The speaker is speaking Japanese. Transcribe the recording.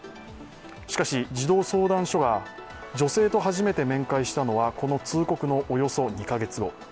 しかし、児童相談所が女性と初めて面会したのはこの通告のおよそ２カ月後。